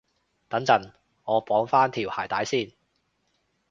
等陣，我綁返條鞋帶先